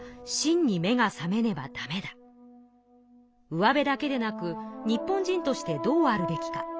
うわべだけでなく日本人としてどうあるべきか。